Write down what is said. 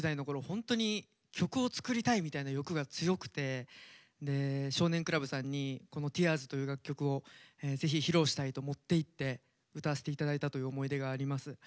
ホントに曲を作りたいみたいな欲が強くてで「少年倶楽部」さんにこの「Ｔｅａｒｓ」という楽曲をぜひ披露したいと持って行って歌わせて頂いたという思い出があります。